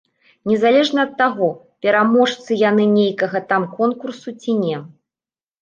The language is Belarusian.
Незалежна ад таго, пераможцы яны нейкага там конкурса ці не.